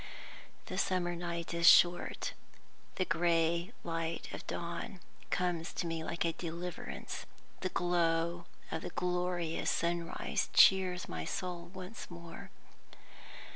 The summer night is short. The gray light of dawn comes to me like a deliverance; the glow of the glorious sunrise cheers my soul once more.